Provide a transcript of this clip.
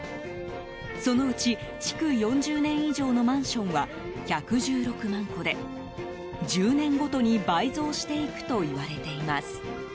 そのうち築４０年以上のマンションは１１６万戸で１０年ごとに倍増していくといわれています。